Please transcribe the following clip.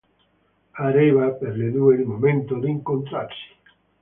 Arriva, per le due, il momento d'incontrarsi.